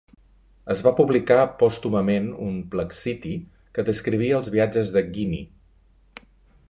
Es va publicar pòstumament un "Placiti" que descrivia els viatges de Ghini.